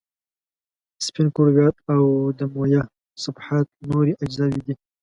سپین کرویات او دمویه صفحات نورې اجزاوې دي.